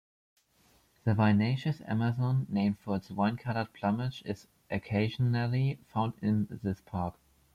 The vinaceous amazon, named for its wine-colored plumage, is occasionally found in this park.